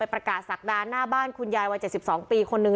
ไปประกาศศักดาหน้าบ้านคุณยายวัยเจ็ดสิบสองปีคนหนึ่ง